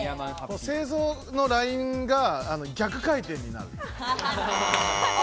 製造のラインが逆回転になる。